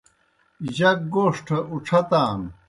جک گوݜٹھہ اُڇھتان۔